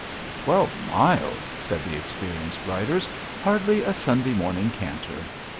"Twelve miles!" said the experienced riders. "Hardly a Sunday morning canter!"